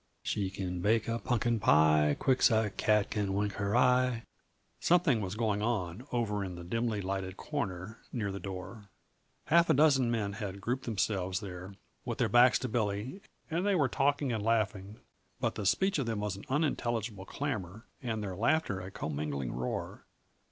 "She can make a punkin pie, Quick's a cat can wink her eye " Something was going on, over in the dimly lighted corner near the door. Half a dozen men had grouped themselves there with their backs to Billy and they were talking and laughing; but the speech of them was an unintelligible clamor and their laughter a commingling roar.